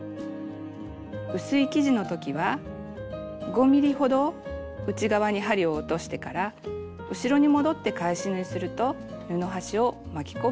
薄い生地のときは５ｍｍほど内側に針を落としてから後ろに戻って返し縫いすると布端を巻き込みにくくなります。